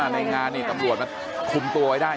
ในงานนี่ตำรวจมาคุมตัวไว้ได้